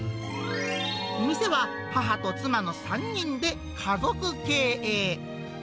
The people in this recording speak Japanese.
店は母と妻の３人で家族経営。